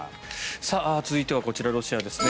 続いてはこちら、ロシアですね。